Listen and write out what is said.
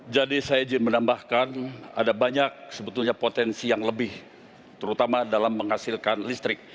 jadi saya menambahkan ada banyak sebetulnya potensi yang lebih terutama dalam menghasilkan listrik